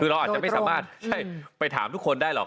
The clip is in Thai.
คือเราอาจจะไม่สามารถไปถามทุกคนได้หรอก